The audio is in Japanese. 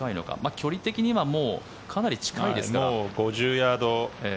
距離的にはかなり近いですか？